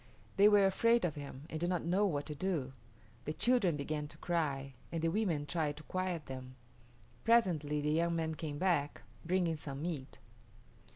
They were afraid of him and did not know what to do. The children began to cry, and the women tried to quiet them. Presently the young man came back, bringing some meat.